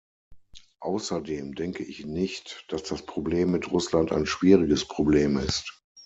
Außerdem denke ich nicht, dass das Problem mit Russland ein schwieriges Problem ist.